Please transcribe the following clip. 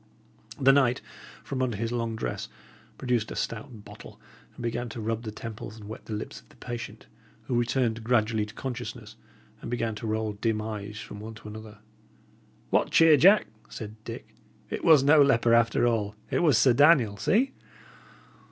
The knight, from under his long dress, produced a stout bottle, and began to rub the temples and wet the lips of the patient, who returned gradually to consciousness, and began to roll dim eyes from one to another. "What cheer, Jack!" said Dick. "It was no leper, after all; it was Sir Daniel! See!"